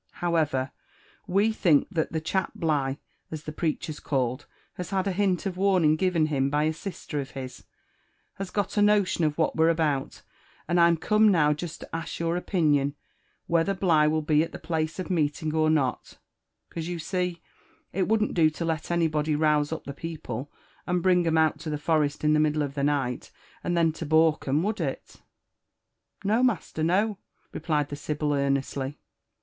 However, we think that the chap Vligh, as the preacher's called, has had a hint of warning given him by a sister of his— has got a notion of what we're aboul» and I'm come now jest to ask your opinion whether Bligh will be at the place of meeting or not ;— 'cause, you see, it wouldn't do to let any body touse up the people and bring 'em out to the forest in the middle of the night, and then to balk 'em — would it?" '* No, master, no," replied the sibyl earnestly.